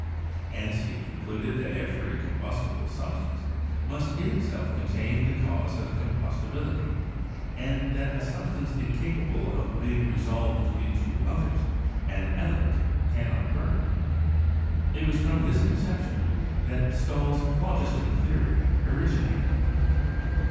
Hence, he concluded that every combustible substance must in itself contain the cause of combustibil ity, and that a substance incapable of being resolved into others (an element) cannot burn. It was from this con ception that Stahl's phlogiston theory originated.